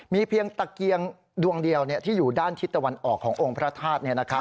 มีเพียงตะเกียงดวงเดียวที่อยู่ด้านทิศตะวันออกขององค์พระธาตุ